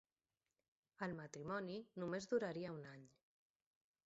El matrimoni només duraria un any.